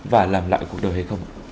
và làm lại cuộc đời hay không